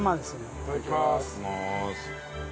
いただきます。